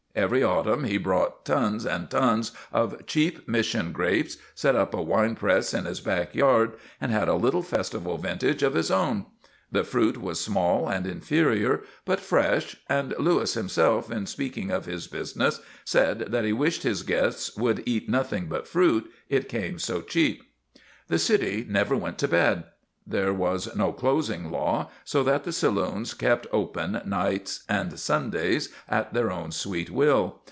Every autumn, he brought tons and tons of cheap Mission grapes, set up a wine press in his back yard, and had a little, festival vintage of his own. The fruit was small, and inferior, but fresh, and Louis himself, in speaking of his business, said that he wished his guests would eat nothing but fruit, it came so cheap. The city never went to bed. There was no closing law, so that the saloons kept open nights and Sundays at their own sweet will.